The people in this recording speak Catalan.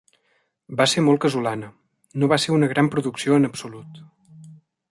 Va ser molt casolana; no va ser una gran producció en absolut.